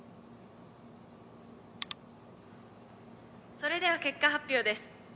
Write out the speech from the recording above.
「それでは結果発表です」